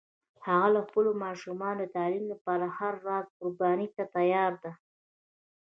هغه د خپلو ماشومانو د تعلیم لپاره هر راز قربانی ته تیار ده